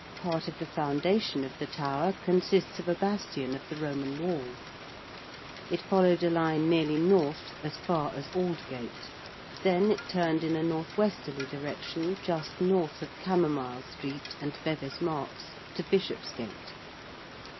Part of the foundation of the Tower consists of a bastion of the Roman wall. It followed a line nearly north as far as Aldgate. Then it turned in a N.W. direction just north of Camomile Street and Bevis Marks to Bishopsgate.